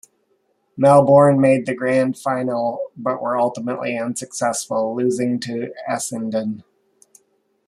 Melbourne made the Grand Final, but were ultimately unsuccessful, losing to Essendon.